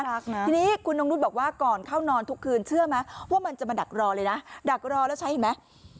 รักนะทีนี้คุณนงนุษย์บอกว่าก่อนเข้านอนทุกคืนเชื่อไหมว่ามันจะมาดักรอเลยนะดักรอแล้วใช้เห็นไหม